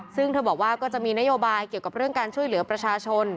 ซึ่งเธอบอกว่าก็จะมีนโยบายเกี่ยวกับเรื่องการช่วยเหลือประชาชน